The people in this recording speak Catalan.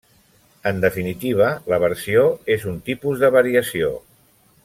En definitiva, la versió és un tipus de variació.